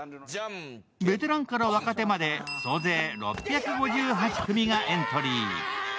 ベテランから若手まで総勢６５８組がエントリー。